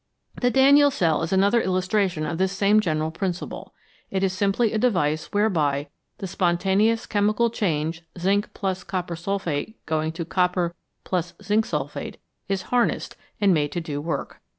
The Daniell cell is another illustration of this same general principle. It is simply a device whereby the spontaneous chemical change zinc + copper sulphate > copper + zinc sulphate is harnessed and made to do work.